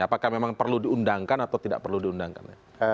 apakah memang perlu diundangkan atau tidak perlu diundangkan